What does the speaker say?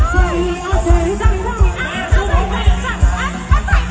เจรียะเจรียะอเข้าใจใจใหม่